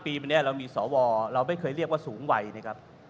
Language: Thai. ปีนี้เรามีสวเราไม่เคยเรียกว่าสูงวัยนะครับ